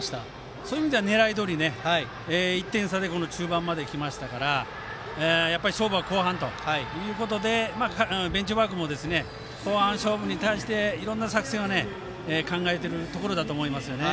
そういう意味では狙いどおり１点差で中盤まで来ましたからやっぱり勝負は後半ということでベンチワークも後半勝負に対していろんな作戦を考えているところだと思います。